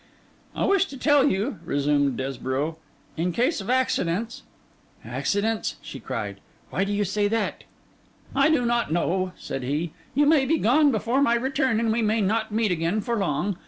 'I wish to tell you,' resumed Desborough, 'in case of accidents. ...' 'Accidents!' she cried: 'why do you say that?' 'I do not know,' said he, 'you may be gone before my return, and we may not meet again for long.